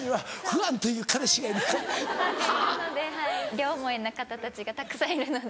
両思いな方たちがたくさんいるので。